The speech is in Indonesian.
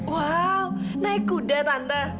wow naik kuda tante